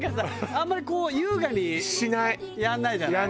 あんまりこう優雅にやんないじゃない？